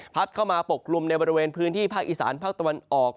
เข้ามาปกกลุ่มในบริเวณพื้นที่ภาคอีสานภาคตะวันออก